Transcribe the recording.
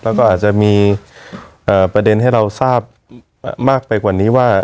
แล้วก็อาจจะมีประเด็นให้เราทราบมากไปกว่านี้ว่า